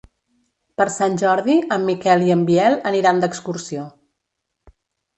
Per Sant Jordi en Miquel i en Biel aniran d'excursió.